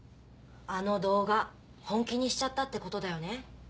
あの動画本気にしちゃったってことだよね？